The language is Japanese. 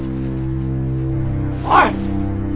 おい！